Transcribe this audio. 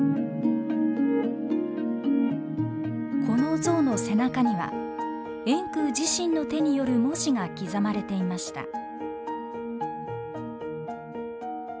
この像の背中には円空自身の手による文字が刻まれていました。